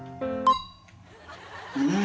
うん！